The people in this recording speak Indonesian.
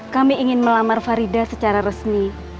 kami ingin melamar farida secara resmi